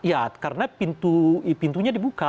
ya karena pintunya dibuka